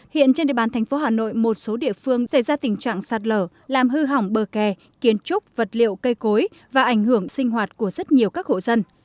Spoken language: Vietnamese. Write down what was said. hiện trên địa bàn thành phố hà nội một số địa phương xảy ra tình trạng sạt lở làm hư hỏng bờ kè kiến trúc vật liệu cây cối và ảnh hưởng sinh hoạt của rất nhiều các hộ dân